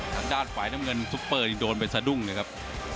ทางด้านฝ่ายน้ำเงินซุปเปอร์นี่โดนไปสะดุ้งเลยครับ